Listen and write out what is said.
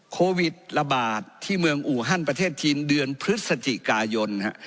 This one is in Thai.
โควิดระบาดที่เมืองอูฮันประเทศจีนเดือนพฤศจิกายน